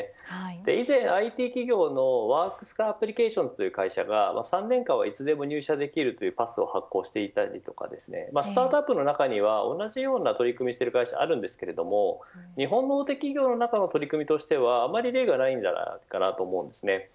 以前ＩＴ企業のワークスアプリケーションという会社が３年間はいつでも入社できるというパスを発行していたりとかスタートアップの中には同じような取り組みをしている会社がありますが日本の大手企業の取り組みとしてはあまり例がないと思います。